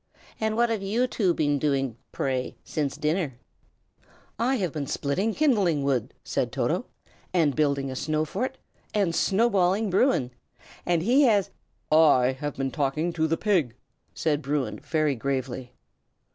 And what have you two been doing, pray, since dinner?" "I have been splitting kindling wood," said Toto, "and building a snow fort, and snowballing Bruin. And he has " "I have been talking to the pig," said Bruin, very gravely.